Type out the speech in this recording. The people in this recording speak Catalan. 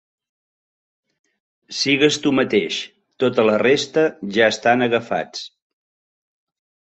Sigues tu mateix; tota la resta ja estan agafats.